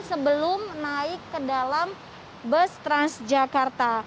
sebelum naik ke dalam bus transjakarta